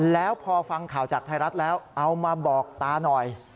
แล้วพอฟังข่าวจากไทยรัฐแล้วเอามาบอกตาหน่อย